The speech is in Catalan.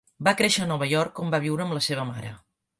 Va créixer a Nova York, on va viure amb la seva mare.